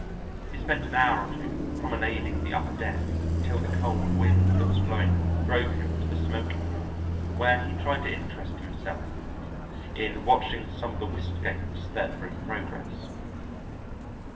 He spent an hour or two promenading the upper deck until the cold wind that was blowing drove him to the smoking room, where he tried to interest himself in watching some of the whist games that were in progress.